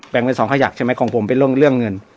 แบ่งเป็นสองขยักใช่ไหมของผมเป็นเรื่องเรื่องเงิน